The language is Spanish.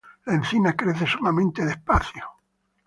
La encina crece sumamente despacio.